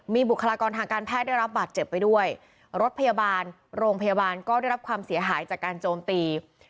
มีบุคลากรทางการแพทย์ได้รับบาดเจ็บไปด้วยรถพยาบาลโรงพยาบาลก็ได้รับความเสียหายจากการโจมตี